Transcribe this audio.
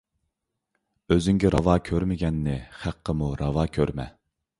ئۆزۈڭگە راۋا كۆرمىگەننى خەققىمۇ راۋا كۆرمە.